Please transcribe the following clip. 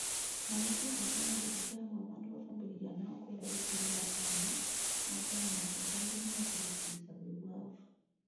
Mayiga agambye kikyamu abantu abafumbiriganwa okweraliikirira abaana n'agamba nti ensonga erina okubatiisa bwe bwavu.